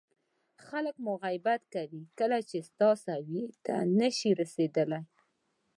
خلک مو غیبت کوي کله چې ستا سویې ته نه شي رسېدلی.